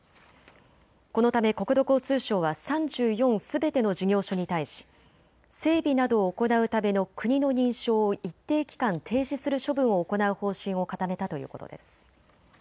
このため国土交通省は３４すべての事業所に対し整備などを行うための国の認証を一定期間、停止する処分を行う方針を固めたということです。